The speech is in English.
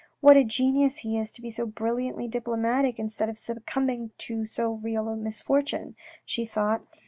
" What a genius he is to be so brilliantly diplomatic instead of succumbing to so real a misfortune," she thought.